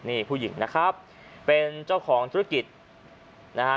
นี่ผู้หญิงนะครับเป็นเจ้าของธุรกิจนะฮะ